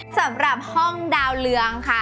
สำหรับห้องดาวเรืองค่ะ